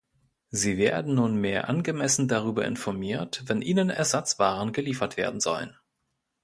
Sie werden nunmehr angemessen darüber informiert, wenn ihnen Ersatzwaren geliefert werden sollen.